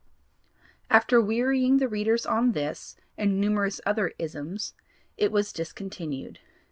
After wearying the readers on this and numerous other 'isms,' it was discontinued.